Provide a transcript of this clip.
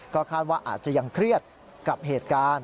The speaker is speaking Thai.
ก็คาดว่าอาจจะยังเครียดกับเหตุการณ์